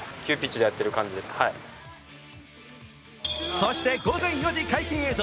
そして午前４時解禁映像。